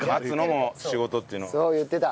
そう言ってた。